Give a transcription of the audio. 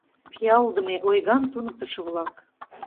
Пиалдыме, ойган туныктышо-влак!